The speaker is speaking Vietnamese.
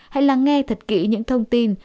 hãy lắng nghe thật kỹ những thông tin